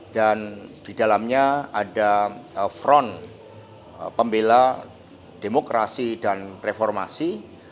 dan di dalamnya ada front pembela demokrasi dan reformasi